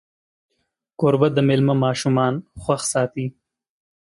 کوربه د میلمه ماشومان خوښ ساتي.